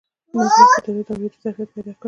نو د وخت په تېرېدو به د اورېدو ظرفيت پيدا کړي.